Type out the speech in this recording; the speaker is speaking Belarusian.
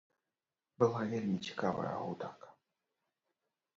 Была вельмі цікавая гутарка.